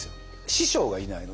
師匠がいないので。